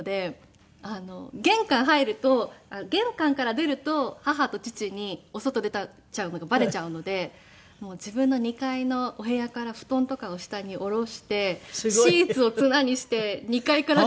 玄関入ると玄関から出ると母と父にお外出ちゃうのがバレちゃうので自分の２階のお部屋から布団とかを下に降ろしてシーツを綱にして２階から。